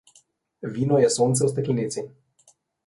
Vino je sonce v steklenici.